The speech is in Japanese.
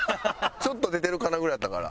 ちょっと出てるかなぐらいだったから。